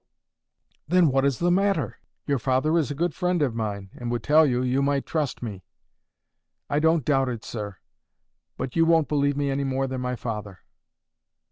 "Then what is the matter? Your father is a good friend of mine, and would tell you you might trust me." "I don't doubt it, sir. But you won't believe me any more than my father."